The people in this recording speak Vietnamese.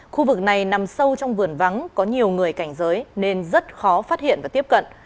khu vực này nằm sâu trong vườn vắng có nhiều người cảnh giới nên rất khó phát hiện và tiếp cận